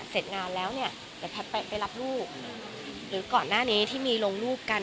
เสร็จงานแล้วเนี่ยเดี๋ยวแพทย์ไปรับลูกหรือก่อนหน้านี้ที่มีลงรูปกัน